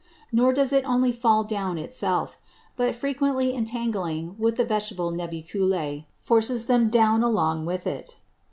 Nor does it only fall down it self, but frequently entangling with the Vegetable Nubeculæ, forces them down along with it.